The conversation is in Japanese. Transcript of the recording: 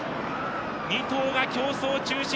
２頭が競走中止。